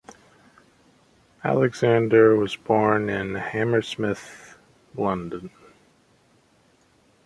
Alexander was born in Hammersmith, London.